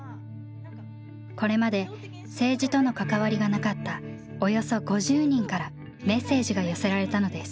これまで政治との関わりがなかったおよそ５０人からメッセージが寄せられたのです。